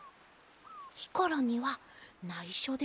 ひころにはないしょですよ。